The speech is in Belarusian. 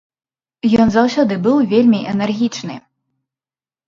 Ён заўсёды быў вельмі энергічны.